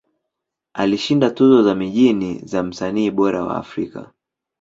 Alishinda tuzo za mijini za Msanii Bora wa Afrika.